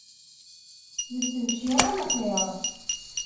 D ttebcira l-lxiṛ.